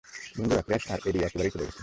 বন্ধুরা, ক্র্যাশ আর এডি একেবারে চলে গেছে।